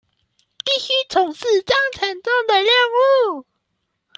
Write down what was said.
必須從事章程中的任務